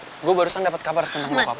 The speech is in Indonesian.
lan gue baru saja dapat kabar tentang bokap lo